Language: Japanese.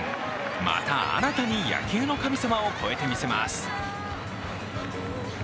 また新たに野球の神様を超えてみせます。